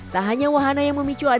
tak hanya wahana yang memicu adonan